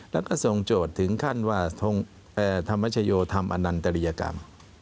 แล้วก็ทรงโจทย์ถึงขั้นว่าธรรมชโยธรรมอนันตริยกรรม